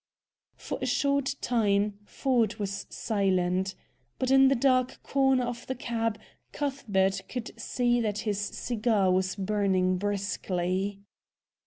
For a short time Ford was silent. But, in the dark corner of the cab, Cuthbert could see that his cigar was burning briskly.